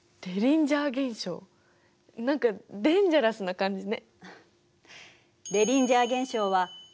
何かデンジャラスな感じね。